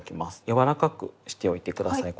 柔らかくしておいて下さい。